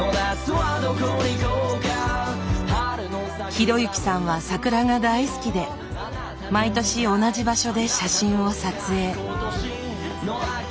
啓之さんは桜が大好きで毎年同じ場所で写真を撮影。